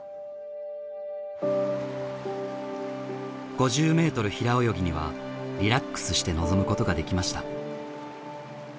５０メートル平泳ぎにはリラックスして臨むことができました。